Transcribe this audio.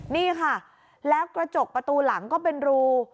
นี่ค่ะแล้วกระจกประตูหลังก็เป็นรู